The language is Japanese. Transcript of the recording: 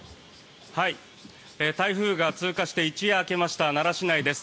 台風が通過して一夜明けました奈良市内です。